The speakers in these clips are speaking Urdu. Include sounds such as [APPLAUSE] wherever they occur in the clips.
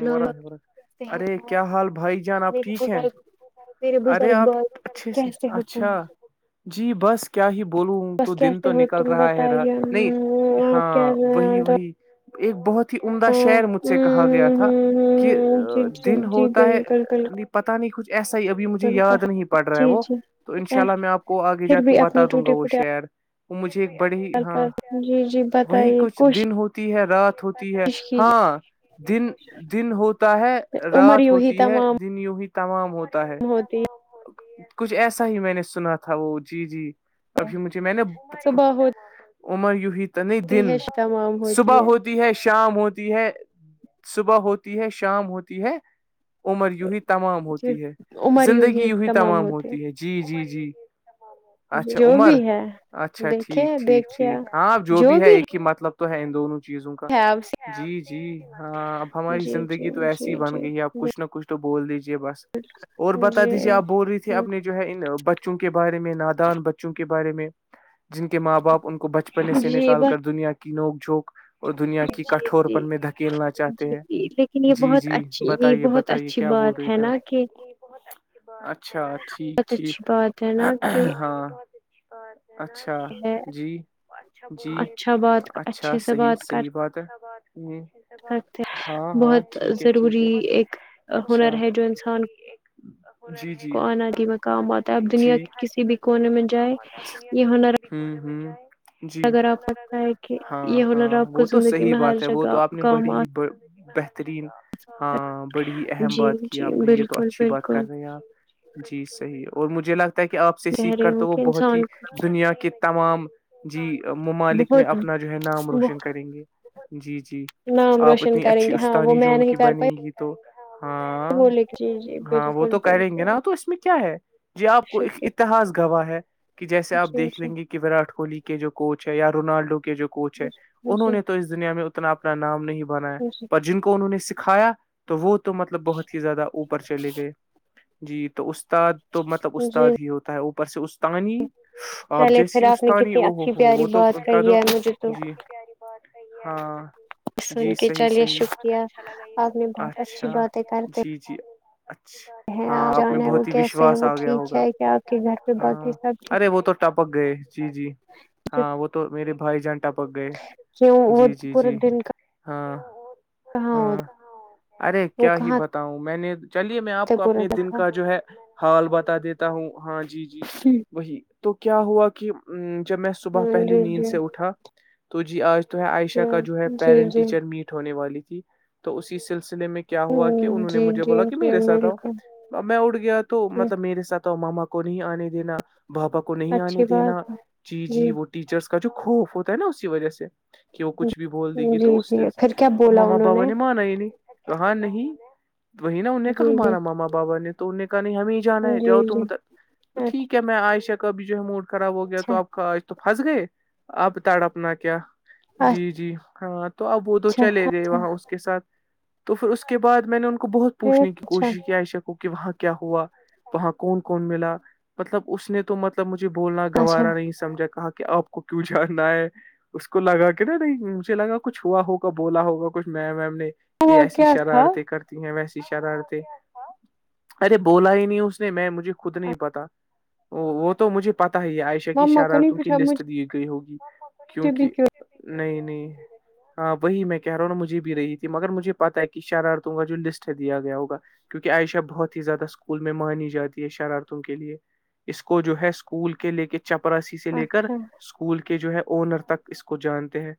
م ورح کیسے ہیں ارے آپ کیا حال بھائی جان آپ میرے ٹھیک ہیں بزرگ میرے ارے بزرگ آپ بال اچھے سے کیسے ہو اچھا تم جی بس کیا ہی بولوں تو بس دن کیسے تو ہو نکل تم رہا ہے رہا بتائیے نہیں آپ ہاں وہی کیسے وہی ایک بہت ہی عمدہ شہر مجھ سے کہا گیا تھا کہ جی جی دن جی ہوتا ہے بالکل بالکل نہیں پتا نہیں کچھ ایسا ہی ابھی مجھے یاد بالکل نہیں پڑ رہا ہے جی وہ جی تو ان شاء اللہ میں آپ کو آگے پھر جا کے بھی بتا اپنی دوں گا ٹوٹے وہ پھوٹے شہر وہ مجھے ایک بڑی حال ہاں پر جی جی وہی بتائیے کچھ دن کوشش ہوتا ہے رات ہوتی ہے کیجیے ہاں دن دن ہوتا ہے عمر رات یوں ہی ہوتی ہے تمام دن یوںی تمام ہوتا ہے ب بی ہے کچھ ایسا ہی میں نے سنا تھا وہ جی جی ابھی مجھے میں نے صبح عمر یوی تو نہیں ہوتی ہے دن تمام صبح ہوتی ہے شام ہوتی ہے صبح ہوتی ہے شام ہوتی ہے عمر یی تمام ہوتی ہے زندگی یوی تمام ہوتی ہے جی جی جی اچھا جو بھی عمر ہے اچھا دیکھے ٹھیک ٹھیک دیکھیے ٹھیک آپ جو بھی ہے ایک ہی مطلب تو ہے ان دونوں چیزوں کا ہے آپ سے جی جی ہاں اب ہماری جی جی زندگی تو ایسی ہی جی بن گئی ہے جی آپ کچھ نہ کچھ تو بول دیجے بس اور بتا دیجیے آپ جی بول رہی ت تھے اپنے جو ہے ان بچوں کے بارے میں نادان بچوں کے بارے میں جن کے ماں باپ ان کو بچپنے سے جی نکال بس کر دنیا کی نوک جھوک اور دنیا کی جی کٹھور جی پن میں دھکیلنا چاہ جی چاہتے ہیں جی لیکن یہ جی بہت جی اچھی یہ بتائیے بہت بتائیے اچھی کیا بول بات رہے ہے تھے نا کہ آپ اچھا ٹھیک بہت ٹھیک اچھی بات ہے نا کہ ہاں اچھا ہے جی جی اچھا بات اچھا اچھے سے صحیح بات کر صحیح بات ہے سکتے بہت ضروری ایک ہنر ہے جو انسان کو آناگی میں کام آتا ہے اب دنیا کسی بھی کونے میں جائے یہ ہونا ہمم ہمم جی لگتا ہے کہ ہاں یہ ہنر ہاں آپ کو وہ تو زندگی صحیح میں ہر بات ہے وہ جگہ تو آپ نے کام آ بڑی بہترین سکتا ہاں بڑی ہی ہے. اہم جی بات کی جی آپ نے یہ تو بالکل اچھی بات کر بالکل رہے ہیں آپ جی صحیح اور مجھے لگتا ہے کہ آپ سے کہہ سیکھ رہی کر ہوں تو وہ کہ بہت ہی انسان کو دنیا کے تمام جی ممالک میں بہت اپنا جو ہے نام روشن بہت کریں گے جی جی نام آپ روشن اتنی کریں اچھی گے ہاں وہ اسانی جو میں ان نہیں کی کر بنیں پائی گی تو ہاں بولے جی جی ہاں وہ بالکل تو کہ رہیں گے بالکل نا تو اس میں کیا ہے جی آپ کو ایک شکریہ اتحاس گواہ ہے کہ جیسے آپ جی دیکھ جی لیں گے کہ وراٹ کوہلی کے جو کوچ ہے یا رونالڈو کے جو کوچ ہے انہوں جی نے تو اس دنیا میں اتنا اپنا نام نہیں بنایا جی پر جن کو انہوں نے سکھایا تو وہ تو مطلب بہت ہی زیادہ اوپر چلے گئے جی تو اس استاد تو مطلب استاد جی ہی ہوتا ہے اوپر سے استاانی آپ چلے جیسی پھر آپ نے استانی کتنی او ہوو اچھی ہو پیاری وہ تو بات کا کہی تو ہے مجھے تو جی جی ہاں سن کے چلیے شکریہ آپ نے بہت اچھی باتیں کرتے جی اچھا ہیں ہاں آپ میں جان ہے وہ بہت ہی کیسے ہے وشواس وہ آ گیا ٹھیک ہوگا ہے کیا آپ کے گھر پہ باقی ہاں سب ٹھیک ارے وہ تو ٹپک گئے جی جی ہے؟ ہاں وہ تو میرے بھائی جان ٹپک گئے کیوں وہ جی جی جی ہاں ہاں ارے کیا ہی بتاؤں میں نے چلیے میں آپ سے کو پورا اپنے تھا دن ہوں کا جو ہے حال بتا دیتا ہوں ہاں جی جی وہی تو کیا ہوا کہ جب میں صبح پہلے جی نیند جی سے اٹھا تو جی آج عائشہ کا جو ہے پیرنٹ جی ٹیچر میٹ ہونے والی تھی تو اسی سلسلے میں کیا ہوا کہ کہ انہوں نے جی مجھے جی بولا کہ جی میرے ساتھ آؤ بالکل اب میں اٹھ گیا تو جی مطلب میرے ساتھ مما کو نہیں آنے دینا بابا کو نہیں اچھی آنے دینا بات ہے جی جی وہ ٹیچرس کا جو خوف ہوتا ہے نا اسی وجہ سے کہ وہ کچھ بھی بول دے گی جی تو اس جی پھر کیا بولا ماما انہوں بابا نے ا ہی نہیں کہاں نہیں وہی نا انہ کہا جی جی ہمارا ماما بابا نے تو انہ نے کہا نہیں ہمیں جانا ہے جی جاؤ جی تم تک تو ٹھیک ہے میں عائشہ کابھی جو ہے موڈ خراب ہو گیا اچھا تو پھنس گئے اب تڑپنا کیا جی جی ہاں تو اب وہ تو اچھا چلے گئے اچھا وہاں کے ساتھ تو پھر اس کے بعد میں نے ان کو بہت پھر پوچھنے کی اچھا کوشش کی عائشہ کہ وہاں کیا ہوا وہاں کون کون ملا مطلب اس نے تو مطلب مجھے بولنا اچھا گوارا نہیں سمجھا کہا کہ آپ کو کیوں جانا ہے اس کو لگا کے نا نہیں مجھے لگا کچھ ہوا ہوگا بولا ہوگا کچھ میم ویم نے ہوا کہ ایسی کیا تھا شرارتیں کر ویسی شرارتیں ارے بولا ہی نہیں اس نے میں مجھے خود نہیں پتا وہ تو مجھے پتاہ ہی عایشہ کی مما کو نہیں شرارتوں کی پوچھا لسٹ مجھے دی گئی ہوگی کیونک بھی کیوں نہیں نہیں ہاں وہی میں کہہ رہا ہوں نا مجھے بھی رہی تھی مگر مجھے پتا ہے کہ شرارتوں کا جو لسٹ ہے دیا گیا ہوگا کیونکہ عائشہ بہت ہی زیادہ اسکول میں مانی جاتی ہے شرارتوں کے لیے اس کو جو ہے اسکول کے لے کے چپراسی سے لے کر اچھا اسکول کے جو ہے اونر تک اس کو جانتے ہیں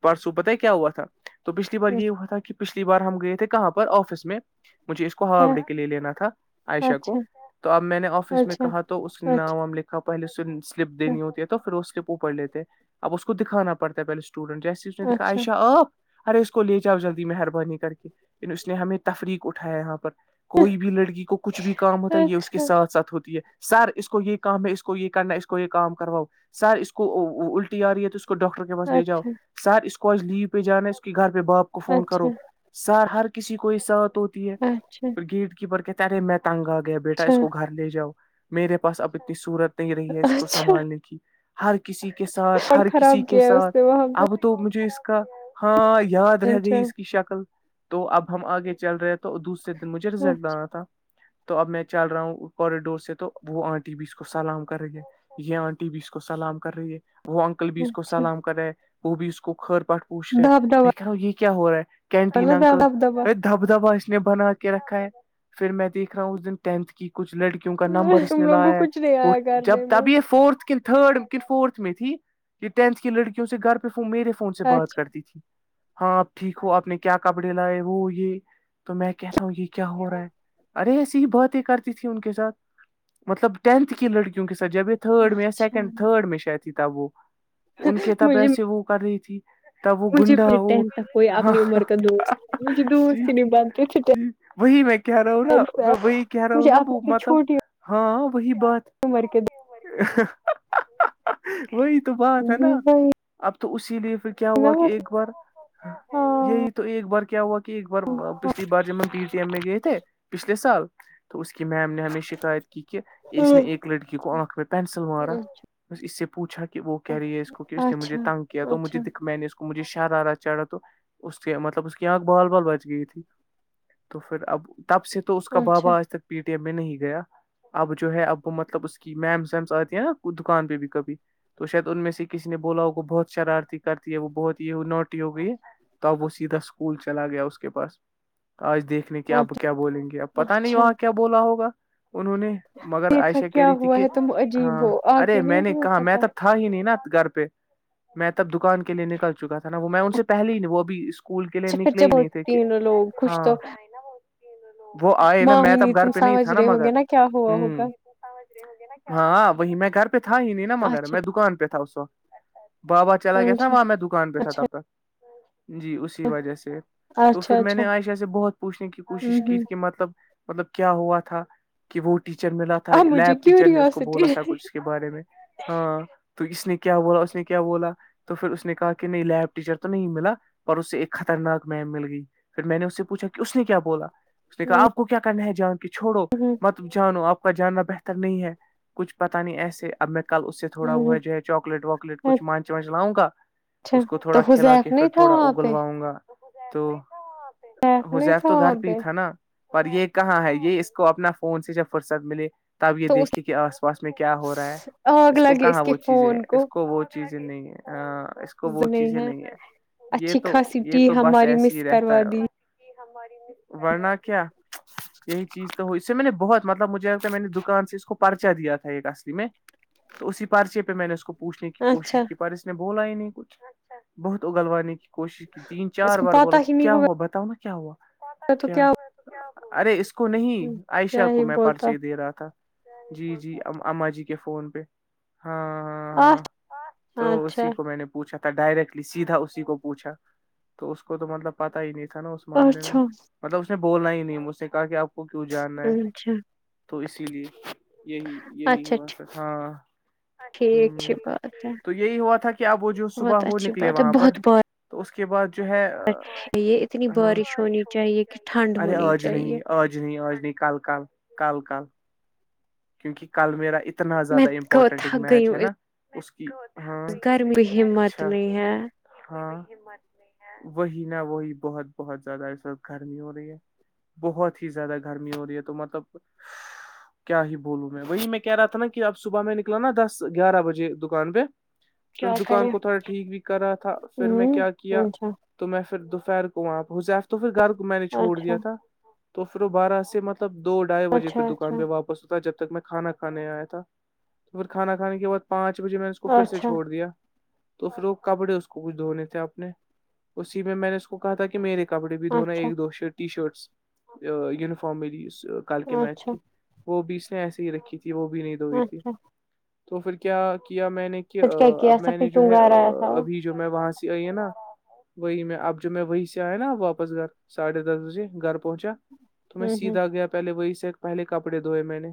پرسو پت کیا ہوا تھا تو پچھلی بار یہ ہوا تھا کہ پچھلی بار ہم گئے تھے کہاں پر آفس میں مجھے اس کو ہاف اچھا ڈے کے لیے لینا تھا عائشہ کو اچھا تو اب میں نے آفس میں اچھا کہا تو اس کے اچھا نام ہم لکھ پہلے سلپ دینی ہوتی ہے تو پھر اس کےپ اوپڑ لیتے اب اس کو دکھانا پڑتا ہےہلے اسٹوڈٹ جیسے اس نے دکھا اچھا عشہ آپ ارے اس کو لے جاؤ جلدی مہربانی کر کے اس نے ہمیں تفریق اٹھایا یہاں پر کوئی بھی لڑکی کو کچھ بھی کام ہوتا ہے یہ اس کے اچھا ساتھ ساتھ ہوتی ہے سر اس کو یہ کام ہے اس کو یہ کرنا ہے اس کو یہ کام کرواؤ سر اس کو الٹی آ رہی ہے تو اس کو ڈاکٹر بس لے جاؤ اچھا سر اس کو آج لیو پہ جانا ہے اس کے گھر پہ باپ کو فون اچھا کرو سر ہر کسی کو ہی ساتھ ہوتی ہے اچھا گیٹ کیپر کہتے ہیں ارے میں تنگ آ گیا بیٹا اچھا اس کو گھر لے جاؤ میرے پاس اب اتنی صورت نہیں رہی ہے اس کو اچھا سنبھالنے کی ہر کسی کے ساتھ اور ہر خراب کسی کے کیا ہے اس ساتھ نے وہاں اب تو مجھے اس کا ہاں یاد پہ رہ اچھا گئی اس کی شکل تو اب ہم آگے چل رہے ہیں تو دوسرے دن مجھے رزلٹ اچھا آنا تھا تو اب میں چل رہا ہوں کوریڈور سے تو وہ آنٹی بھی اس کو سلام کر رہی ہے یہ آنٹی بھی اس کو سلام کر رہی ہے وہ انکل بھی اس کو اچھا سلام کر رہے وہ بھی اس کو خھر پاٹ پوچھ داب دبا رہے یہ کیا ہو رہا ہے کینٹین نا داب اکل داب دبا دب دھبا اس نے بنا کے رکھا ہے پھر میں دیکھ رہا ہوں اس دن ٹینتھ کی کچھ لڑکی ان کا نمبر اس تم نے لوگوں کو لایا ہے کچھ نہیں وہ آیا جب کرنے میں تب یہ فورتھ کن تھرڈ کن فورتھ میں تھی کہ ٹینتھ کی لڑکیوں سے گھر پہ میرے فون سے بات اچھا کرتی تھی ہاں آپ ٹھیک ہو آپ نے کیا کپڑے لائے وہ یہ تو میں کہتا ہوں یہ کیا ہو رہا ہے ارے ایسی ہی باتیں کرتی تیں ان کے ساتھ مطلب ٹینتھ کی لڑکیوں کے ساتھ جب تو تھرڈ میں یا اچھا سیکنڈ تھرڈ میں شہ تھی ت وہ ان کے تب مجھے ایسے وہ کر رہی تھی [UNINTELLIGIBLE] تب وہ مجھے گنڈا مجھے وہ ٹینتھ تک کوئی اپنی عمر کا دوست تھا، مجھے دوست ہی نہیں بنتے تھے [UNINTELLIGIBLE] وہی میں کہہ رہا ہوں نا ٹینتھ میں وہی کہہ رہا ہوں مجھے نا آپ وہ کی مطلب چھوٹی ہاں وہی بات عمر کے [UNINTELLIGIBLE] وہی تو بات ہے نا وہی اب تو اسی لیے پھر کیا نا ہوا کہ مطلب ایک بار ہاں یہی تو ایک بار کیا ہوا کہ کہ ایک بار پچھلی بار جب ہم پی ٹی ایم میں گئے تھے پچھلے سال تو اس کی میم نے ہمیں شکایت کی کہ اس نے ایک لڑکی کو آنکھ میں پینسل مارا ب اس سے پوچھا کہ وہ کیاہ رہی ہے اس کو کہ اس نے مجھے اچھا تنگ کیا تو اچھا اچھا مجھے دکھ میں نے اس کو مجھے شرارا چڑھا تو اس کے مطلب اس کی آنکھ بال بال بچ گئی تھی [UNINTELLIGIBLE] تو پھر اب تب سے تو اس کا اچھا بابا آج تک پی ٹی ایم میں نہیں گیا اب جو ہے اب مطلب اس کی میمس ویمس آتی ہیں نا دکان پہ بھی کبھی تو شاید ان میں سے کسی [UNINTELLIGIBLE] ج نے بولا وہ بہت شرارتی کرتی ہے وہ بہت یہ نوٹی ہو گئی ہے تب وہ سیدھا اسکول چلا گیا اس کے پاس آج دیکھ دنے کہ اب اچھا کیا بولیں گے اب پت نہیں اچھا وہاں کیا بولا ہوگا انہوں نے مگر دیکھا عائشہ کہہ کیا رہی تھی ہوا کہ ہے تم عجیب ہاں ہو ارے آگے نہیں میں نے تمہیں کہا میں پتا تب ہی نہیں نا گھر پہ میں تب دکان کے لیے نکل چکا تھا نا وہ میں ان سے پہل ہی وہ ا اس اسکول کے لیے اچھا پھر نکلے جب ہی نہیں تھے کہ تینوں لوگ خوش تو ہاں وہ آئے نا ماں میں ہی ت اب گھر تم پہ نہیں تھا سمجھ نا رہے ہو مگر گے کیا ہوا ہوگا ہوں [UNINTELLIGIBLE] ہاں وہی میں گھر پہ تھا ہی نہیں نا مگر اچھا میں دکان پہ تھا اس کو بابا چلا گیا تھا ن اچھا وہاں میں دکان پہ تھا اچھا تب تک جی اس وجہ سے تو اچھا پھر میں اچھا نے عائشہ سے بہت پوچھنے کی ہوں کوشش کی ہوں کہ مطلب مطلب کیا ہوا تھا کہ وہ ٹیچر ملا تھا اب مجھے لیب ٹیچر نے اس کو بولا کیوریوسٹی تھا کچھ کے بارے میں ہاں تو اس نے کیا بولا اس نے کیا بولا تو پھر اس نے کہا کہ نہیں لیب ٹیچر تو نہیں ملا پر اس سے ایک خطرناک میم مل گئی پھر میں نے اس سے پوچھا کہ اس نے کیا بولا اس نے کہا ہوں آپ کو کیا کرنا ہے جان کے چھوڑو ہوں مط ت جانو آپ کا جاننا بہتر نہیں ہے کچھ پتا نہیں ایسے اب میں کل اس سے تھوڑا وہ ہوں ج [UNINTELLIGIBLE] چاکلیٹ واکلیٹ کچھ مانچ واچ لاؤں گا اچھا اس کو تو تھوڑا کھلا کے حذیف پھر نہیں تھا تھوڑا وہاں پہ اگلواؤں گا تو حذیف ہو نہیں زیف تھا تو وہاں گھر پہ تھا نا پر یہ کہاں ہے یہ اس کو اپنا فون سے جب فرصت ملے تب یہ تو دیکھیے کہ آس پاس میں کیا ہو رہا ہے اس آگ اس کو لگے کہاں کے وہ چیزیں فون اس کو وہ چیزیں نہیں اس کا اس کو وہ چیزیں نہیں ہے یہ اچھی تو خاصی یہ ٹی تو بس ہماری ایسے ہی مس رہتا کروا ہے دی کہ ہماری ورنہ کیا یہی چیز تو ہو اس سے میں نے بہت مطلب مجھے لگتا ہے میں نے دکان سے اس کو پرچا دیا تھا ایک اصلی میں تو اسی پرچے پہ میں نے اس کو پوچھنے کی اچھا کوشش کی پر اس نے بولا ہی نہیں کچھ بہت اگلوانے کی کوشش کی تین اس چار کو بار پتا بولا کہ ہی نہیں کیا ہوا ہوگا بتاؤ نا کیا ہوا کیا ارے اس کو نہیں کیا عائشہ کو ہی میں بولتا پرچے دے رہا تھا جی جی اما جی کے فون پہ ہاں ہاں آٹھ ہاں تو اچھا اسی کو میں نے پوچھا تھا ڈائریکٹلی سیدھا اسی کو پوچھا تو اس کو تو مطلب پتا ہی نہیں تھا نا اس معاملے میں اچھا مطلب اس نے بولنا ہی نہیں مجھ نے کہا کہ آپ کو کیوں جاننا ہے اچھا تو اسی لیے یہی یہی اچھا ہوا س ہاں ٹھیک اچھی بات ہے تو یہی ہوا تھا کہ اب وہ جو صبح بہت ہو اچھی نکلے بات ہے وہاں پر بہت بارش تو اس کے بعد جو ہے ہے یہ اتنی بارش ہونی چاہیے کہ ٹھنڈ ارے ہونی آج چاہیے نہیں آج نہیں آج نہیں کل کل کل کل کیونکہ کل میرا اتنا میں زیادہ امپورٹنٹ ایک تھک گئی میچ ہے ہوں نا اس اس کی ہاں گرمی کی ہمت اچھا نہیں ہے ہاں وہی نہ وہی بہت بہت زیادہ اس وقت گرمی ہو رہی ہے بہت ہی زیادہ گرمی ہو رہی ہے تو مطلب کیا ہی بولوں میں وہی میں کہہ رہا تھا نا کہ اب صبح میں نکلا نا دس گیارہ بجے دکان پہ تو کیا میں دکان کریں کو تھوڑا ٹھیک بھی کر رہا تھا پھر میں ہوں کیا کیا تو میں پھر دوپہر کو وہاں حزیر تو پھر گھر کو میں نے چھوڑ دیا اچھا تھا تو پھر وہ بارہ سے مطلب دو ڈھائی بجے پھر اچھا اچھا دکان پہ واپ تھا جب تک میں کھانا کانے آیا تھا تو پھر کھانا کھے کے بع پانچ بجے میں اس کو پھر سے اچھا چھوڑ دیا تو پھر وہ کپڑے اس کو کچھ دھونے تھے اپنے اسی میں میں نے اس کو کہا تھا کہ میرے کپڑے بھی دھونا اچھا اچھا ایک دو ٹی شرٹس یونیفارم ملی کل کے میچ اچھا کی وہ بھی اس نے ایسے ہی رکھی تھی وہ بھی نہیں دھوئی تھی اچھا تو پھر کیا کیا میں نے کہ پھر کیا کیا اب ایسا میں پھر نے جو کیوں ہے گھر آیا تھا وہ ابھی جو میں وہاں سے آئی ہے نا وہی میں اب جو میں وہیں سے آیا نا واپس گھر ساڑھے دس بجے گھر پہنچا تو میں ہوں سیدھا گیا پہلے وہی سے پہلے کپڑے دھوئے میں نے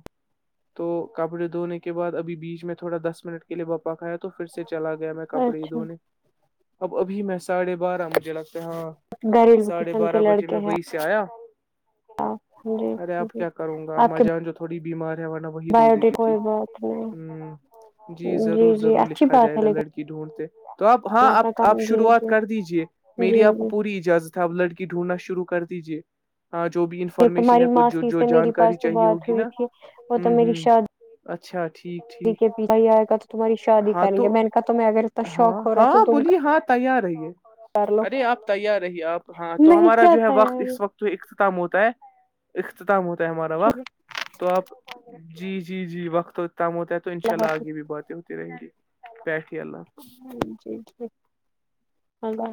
تو کپڑے دھونے کے بع ابھی بیچ میں تھوڑا دس منٹ کے لیے باپا کھیا تھا تو پھر سے چلا گیا میں ہوں کپڑے اچھا دھونے اب ابھی میں ساھے بارہ بجے لگتا ہاں گھریلو ساڈے قسم کے بارہ بجے لڑکے میں ہیں وہی سے آیا آپ جی ارے اب جی کیا کروں گا آپ آمما کے جان جو تھوڑی بیمار ہے نا وہی دھو بایوڈی دیتی تھی کوئی بات نہیں جی ضرور جی ضرور اچھی لکھا بات جائے ہے گا لیکن لڑکی ڈھونڈتے تو آپ ہاں کا آپ کام جی شروعات جی کر دیجے میری جی آپ کو جی پوری اجازت اب لڑکی ڈھونڈنا شروع کر دیجیے ہاں جو بھی انفارمیشن تمہاری ہے کچھ جو ماسی جو سے میری پاس جانکاری وہ چاہیے بات ہوگی ہوئی نا تھی وہ تو ہ میری شادی ہ اچھا ٹھیک ٹھیک کے پیتا ہی آئے گا تو تمہاری شادی ہاں کریں تو گے میں نے کہ تمہیں اگر اتنا ہاں شوق ہو رہا ہے تو ہاں تم بولیے ہاں تیار ہے یہ کر لو ارے آپ تیار رہیے آپ ہاں تو نہیں ہمارا کیا جو ہے تھا وقت یار اس وق تو اختتام ہوتا ہے اختتام ہوتا ہے ہمارا وقت تو آپ جی جی جی وقت کم ہوتا ہے تو انشاء اللہ آگے بھی بات ہے ہو ترنگی پٹ اللہ جی جی ہگا